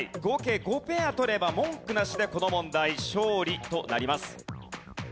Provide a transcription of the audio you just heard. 合計５ペア取れば文句なしでこの問題勝利となります。